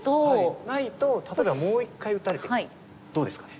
ないと例えばもう一回打たれてどうですかね？